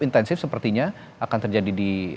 intensif sepertinya akan terjadi di